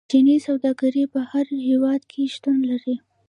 چیني سوداګر په هر هیواد کې شتون لري.